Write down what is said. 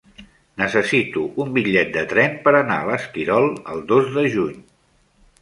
Necessito un bitllet de tren per anar a l'Esquirol el dos de juny.